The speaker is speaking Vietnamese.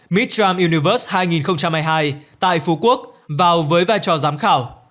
midterm universe hai nghìn hai mươi hai tại phú quốc vào với vai trò giám khảo